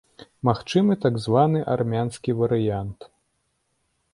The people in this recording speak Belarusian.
Магчымы так званы армянскі варыянт.